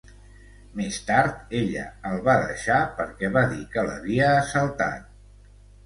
Més tard, ella el va deixar perquè va dir que l'havia assaltat.